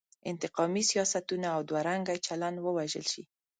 انتقامي سیاستونه او دوه رنګی چلن ووژل شي.